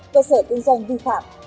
cơ sở kinh doanh vi phạm